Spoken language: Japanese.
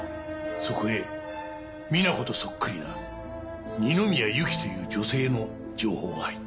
そこへみな子とそっくりな二宮ゆきという女性の情報が入った。